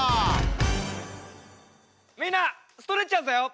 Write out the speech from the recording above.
みんなストレッチャーズだよ！